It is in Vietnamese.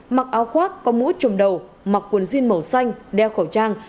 mặc áo khoác có mũ trùm đầu mặc quần jean màu xanh đeo khẩu trang